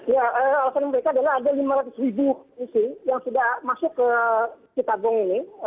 ya alasan mereka adalah ada lima ratus isi yang sudah masuk ke cipagong